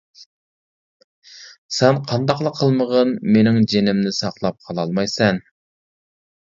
سەن قانداقلا قىلمىغىن مىنىڭ جىنىمنى ساقلاپ قالالمايسەن.